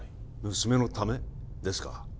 娘のためですか？